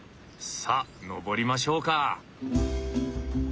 さあ登りましょうか！